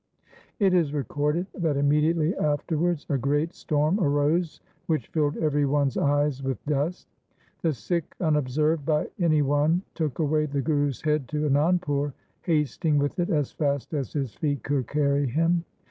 It is recorded that immediately afterwards a great storm arose which filled every one's eyes with dust. The Sikh unobserved by anyone took away the Guru's head to Anandpur, hasting with it as fast as his feet could carry him.